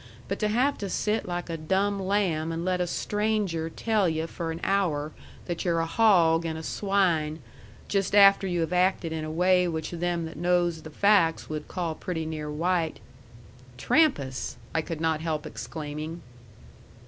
But to have to sit like a dumb lamb and let a stranger tell yu' for an hour that yu're a hawg and a swine, just after you have acted in a way which them that know the facts would call pretty near white " "Trampas!" I could not help exclaiming.